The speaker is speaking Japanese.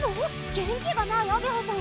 元気がないあげはさん